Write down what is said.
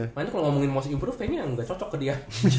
nanti kalo ngomongin mau improve kayaknya yang gak cocok ke dia